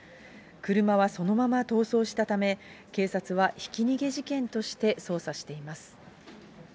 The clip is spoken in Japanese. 車はそのまま逃走したため、警察はひき逃げ事件として捜査しています。